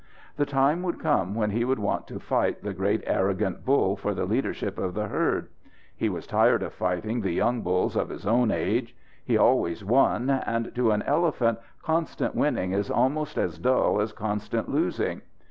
The time would come when he would want to fight the great arrogant bull for the leadership of the herd. He was tired of fighting the young bulls of his own age. He always won, and to an elephant constant winning is almost as dull as constant losing.